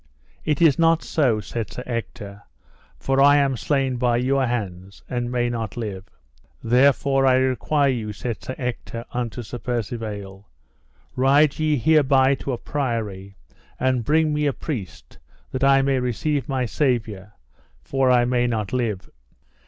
It is not so, said Sir Ector, for I am slain by your hands, and may not live. Therefore I require you, said Sir Ector unto Sir Percivale, ride ye hereby to a priory, and bring me a priest that I may receive my Saviour, for I may not live.